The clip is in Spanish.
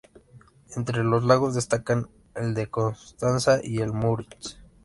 Entre los lagos destacan el de Constanza y el Müritz.